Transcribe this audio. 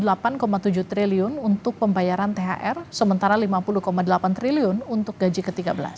rp delapan tujuh triliun untuk pembayaran thr sementara rp lima puluh delapan triliun untuk gaji ke tiga belas